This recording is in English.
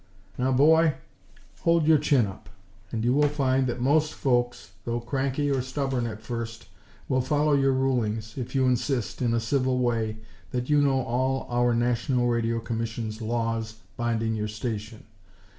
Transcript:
"Now, boy, hold your chin up, and you will find that most folks, though cranky or stubborn at first, will follow your rulings if you insist, in a civil way, that you know all our National Radio Commission's laws binding your station.